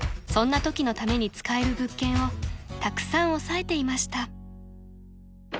そんなときのために使える物件をたくさん押さえていました］